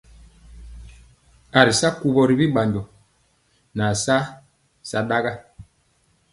A ri sa kuwɔ ri bi ɓanjɔ nɛ a sa sataga.